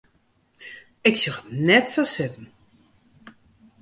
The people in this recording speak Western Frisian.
Ik sjoch it net sa sitten.